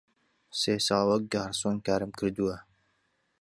سێ ساڵ وەک گارسۆن کارم کردووە.